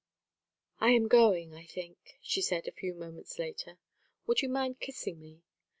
"I am going, I think," she said a few moments later. "Would you mind kissing me?